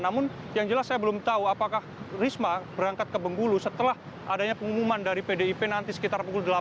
namun yang jelas saya belum tahu apakah risma berangkat ke bengkulu setelah adanya pengumuman dari pdip nanti sekitar pukul delapan